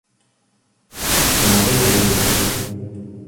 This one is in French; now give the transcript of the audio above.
On arrive la nuit.